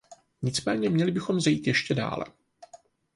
Nicméně měli bychom zajít ještě dále.